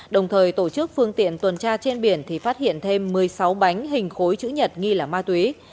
đồng thời tổ chức phương tiện tuần tra trên biển thì phát hiện thêm một mươi sáu bánh hình khối chữ nhật nghi là ma túy